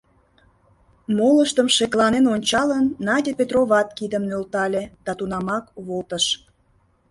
Молыштым шекланен ончалын, Надя Петроват кидым нӧлтале да тунамак волтыш.